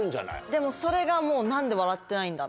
でもそれが何で笑ってないんだ？